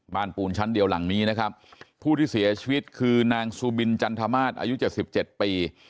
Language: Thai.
ปูนชั้นเดียวหลังนี้นะครับผู้ที่เสียชีวิตคือนางซูบินจันทมาสอายุ๗๗ปี